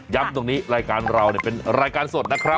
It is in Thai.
ตรงนี้รายการเราเป็นรายการสดนะครับ